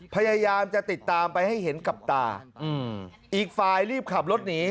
พยายามจะติดตามไปให้เห็นกับตาอืมอีกฝ่ายรีบขับรถหนี